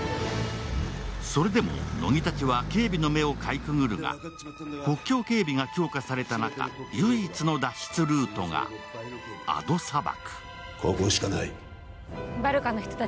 それでも乃木たちは警備の目をかいくぐるが国境警備が強化された中、唯一の脱出ルートがアド砂漠。